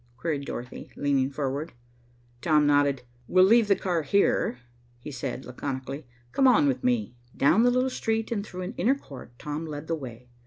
queried Dorothy, leaning forward. Tom nodded. "We'll leave the car here," he said laconically. "Come on with me." Down the little street and through an inner court Tom led the way.